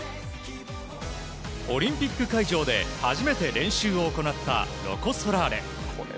オリンピック会場で初めて練習を行ったロコ・ソラーレ。